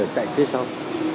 ở chạy phía sau